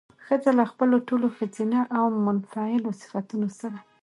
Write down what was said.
ښځه له خپلو ټولو ښځينه او منفعلو صفتونو سره